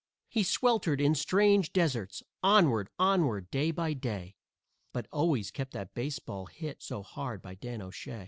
He sweltered in strange deserts, onward, onward, day by day, But always kept that baseball hit so hard by Dan O'Shay.